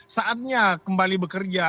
saatnya kembali bekerja